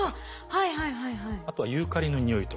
あとはユーカリの匂いとか。